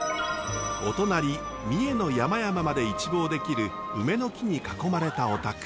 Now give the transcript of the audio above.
お隣三重の山々まで一望できる梅の木に囲まれたお宅。